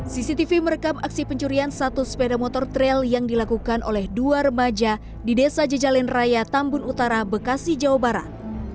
cctv merekam aksi pencurian satu sepeda motor trail yang dilakukan oleh dua remaja di desa jejalin raya tambun utara bekasi jawa barat